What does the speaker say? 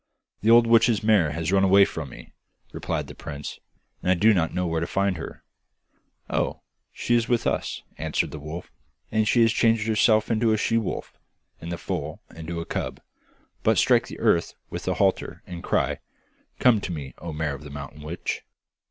'The old witch's mare has run away from me,' replied the prince, 'and I don't know where to find her.' 'Oh, she is with us,' answered the wolf, 'and she has changed herself into a she wolf, and the foal into a cub; but strike the earth here with the halter, and cry, "Come to me, O mare of the mountain witch."